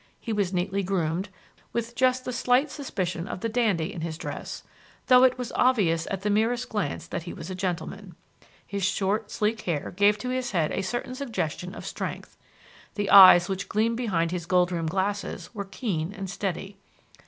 He was neatly groomed, with just the slight suspicion of the dandy in his dress, though it was obvious at the merest glance that he was a gentleman. His short, sleek hair gave to his head a certain suggestion of strength. The eyes which gleamed behind his gold rimmed glasses were keen and steady.